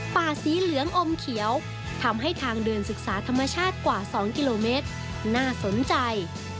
ป่าสีเหลืองอมเขียวทำให้ทางเดินศึกษาธรรมชาติกว่า๒กิโลเมตรน่าสนใจ